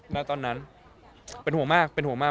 แล้วตอนนั้นเป็นหัวมากเป็นหัวมาก